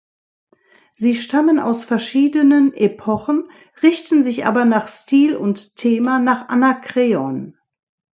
Sie stammen aus verschiedenen Epochen, richten sich aber nach Stil und Thema nach Anakreon.